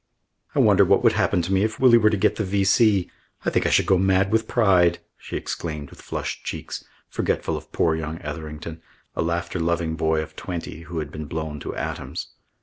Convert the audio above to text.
"I wonder what would happen to me, if Willie were to get the V.C. I think I should go mad with pride!" she exclaimed with flushed cheeks, forgetful of poor young Etherington, a laughter loving boy of twenty, who had been blown to atoms.